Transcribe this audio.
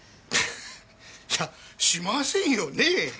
いやしませんよね？